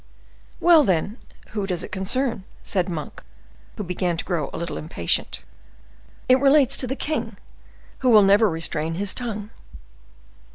"Well, then, who does it concern?" said Monk, who began to grow a little impatient. "It relates to the king, who will never restrain his tongue."